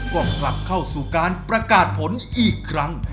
ก็กลับเข้าสู่การประกาศผลอีกครั้ง